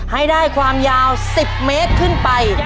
ให้ได้ความยาว๑๐เมตรขึ้นไป